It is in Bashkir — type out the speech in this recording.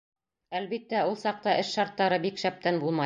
Әлбиттә, ул саҡта эш шарттары бик шәптән булмай.